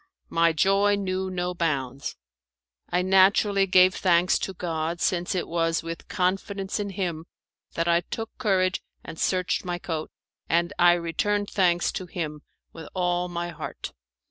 My joy knew no bounds. I naturally gave thanks to God, since it was with confidence in Him that I took courage and searched my coat, and I returned thanks to Him with all my heart.